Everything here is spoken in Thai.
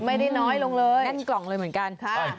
ไม่ได้น้อยลงเลยแน่นกล่องเลยเหมือนกัน